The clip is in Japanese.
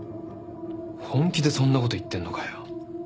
本気でそんなこと言ってんのかよ？